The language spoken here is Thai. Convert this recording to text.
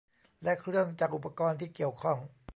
และเครื่องจักรอุปกรณ์ที่เกี่ยวข้อง